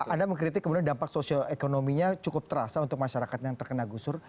anda mengkritik kemudian dampak sosioekonominya cukup terasa untuk masyarakat yang terkena gusur